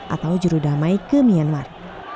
atau jurudamai ke myanmar